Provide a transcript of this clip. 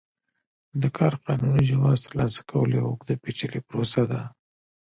د کار قانوني جواز ترلاسه کول یوه اوږده پېچلې پروسه ده.